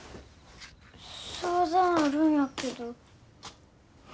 相談あるんやけど。